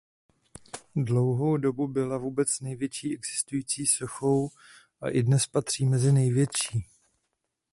Dlouhou dobu byla vůbec největší existující sochou a i dnes patří mezi největší.